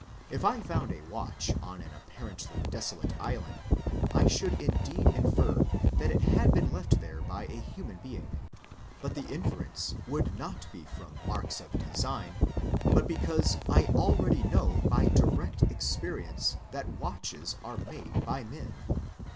If I found a watch on an apparently desolate island, I should indeed infer that it had been left there by a human being ; but the inference would not be from marks of design, but because I already knew by direct experience that watches are made by men.